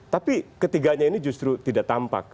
tapi ketiganya ini justru tidak tampak